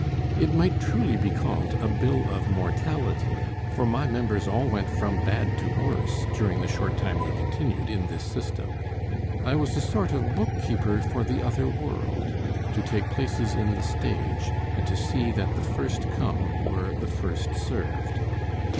It might truly be called a bill of mortality; for my members all went from bad to worse during the short time they continued in this system. I was a sort of bookkeeper for the other world, to take places in the stage, and to see that the first come were the first served.